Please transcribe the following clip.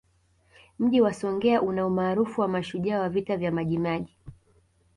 Mji wa Songea una umaarufu wa mashujaa wa Vita vya Majimaji